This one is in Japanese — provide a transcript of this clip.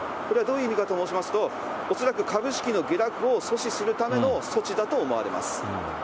これはどういう意味かと申しますと、恐らく株式の下落を阻止するための措置だと思われます。